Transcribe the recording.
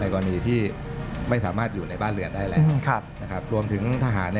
ในกรณีที่ไม่สามารถอยู่ในบ้านเหลือได้แล้ว